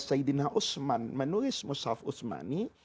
sayyidina usman menulis mus'haf usmani